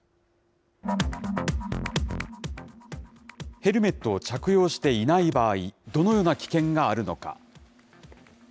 ヘルメットを着用していない場合、どのような危険があるのか。